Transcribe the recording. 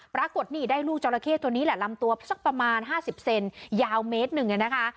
ปรากฏนี่ได้ลูกจราเข้ตัวนี้แหละลำตัวสักประมาณ๕๐เซนยาวเมตรหนึ่งนะคะ